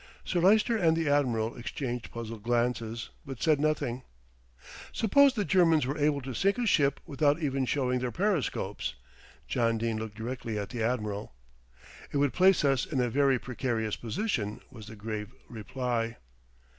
Sir Lyster and the Admiral exchanged puzzled glances, but said nothing. "Suppose the Germans were able to sink a ship without even showing their periscopes?" John Dene looked directly at the Admiral. "It would place us in a very precarious position," was the grave reply.